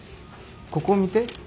ここ見て。